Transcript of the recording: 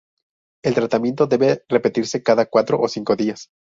El tratamiento debe repetirse cada cuatro ó cinco días.